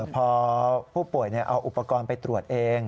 พอผู้ป่วยเอาอุปกรณ์ไปตรวจเอง